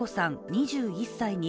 ２１歳に